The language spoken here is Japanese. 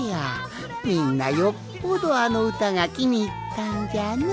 みんなよっぽどあのうたがきにいったんじゃの。